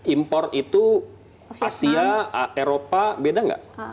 impor itu asia eropa beda nggak